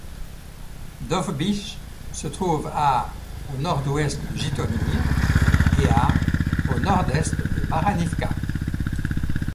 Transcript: Dovbych se trouve à au nord-ouest de Jytomyr et à au nord-est de Baranivka.